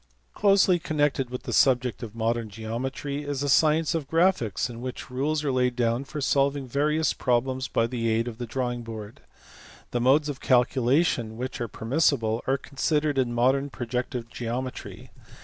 Closely connected with the subject of modern geometry is the science of graphics in which rules are laid down for solving various problems by the aid of the drawing board: the modes of calculation which are permissible are considered in modern protective geometry.